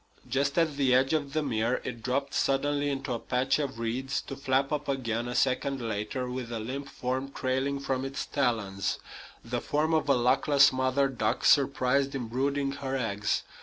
Just at the edge of the mere it dropped suddenly into a patch of reeds, to flap up again, a second later, with a limp form trailing from its talons the form of a luckless mother duck surprised in brooding her eggs.